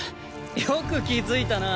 よく気づいたな。